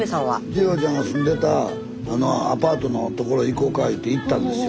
二朗ちゃんが住んでたアパートのところへ行こうか言うて行ったんですよ。